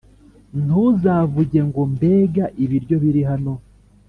ntuzavuge ngo «Mbega ibiryo biri hano!»